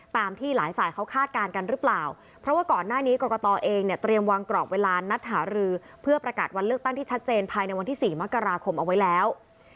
ตามที่หลายฝ่ายเขาคาดการณ์กันหรือเปล่าเพราะว่าก่อนหน้านี้กรกตเองเนี่ยเตรียมวางกรอบเวลานัดหารือเพื่อประกาศวันเลือกตั้งที่ชัดเจนภายในวันที่๔มกราคมเอาไว้แล้ว